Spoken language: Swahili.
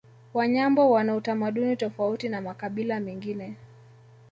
Wanyambo wana utamaduni tofauti na makabila mengine